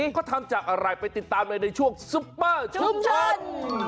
เขาทำจากอะไรไปติดตามเลยในช่วงซุปเปอร์ชุมชน